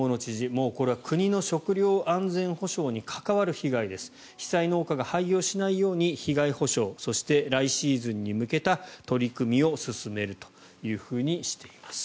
もうこれは国の食料安全保障に関わる被害です被災農家が廃業しないように被害補償そして来シーズンに向けた取り組みを進めるというふうにしています。